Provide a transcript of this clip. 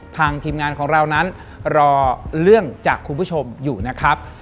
ทีมงานของเรานั้นรอเรื่องจากคุณผู้ชมอยู่นะครับ